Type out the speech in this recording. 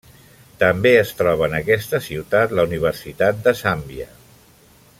També es troba en aquesta ciutat la Universitat de Zàmbia.